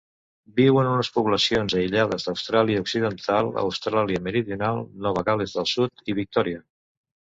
Viu en unes poblacions aïllades d'Austràlia Occidental, Austràlia Meridional, Nova Gal·les del Sud i Victòria.